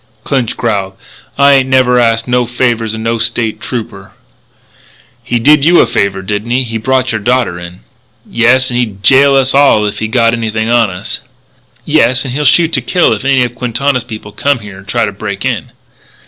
Clinch growled: "I ain't never asked no favours of no State Trooper " "He did you a favour, didn't he? He brought your daughter in." "Yes, 'n' he'd jail us all if he got anything on us." "Yes; and he'll shoot to kill if any of Quintana's people come here and try to break in."